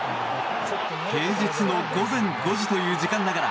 平日の午前５時という時間ながら